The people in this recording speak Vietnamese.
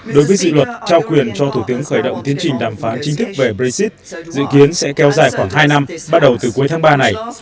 đối với dự luật trao quyền cho thủ tướng khởi động tiến trình đàm phán chính thức về brexit dự kiến sẽ kéo dài khoảng hai năm bắt đầu từ cuối tháng ba này